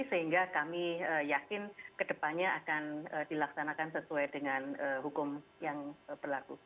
sehingga kami yakin ke depannya akan dilaksanakan sesuai dengan hukum yang berlaku